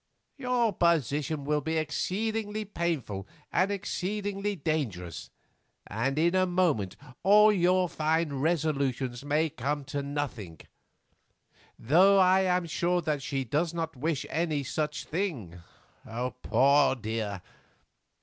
Your position will be exceedingly painful and exceedingly dangerous, and in a moment all your fine resolutions may come to nothing; though I am sure that she does not wish any such thing, poor dear.